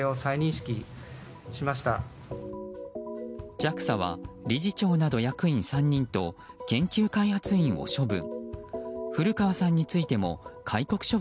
ＪＡＸＡは理事長など役員３人と研究開発員を処分。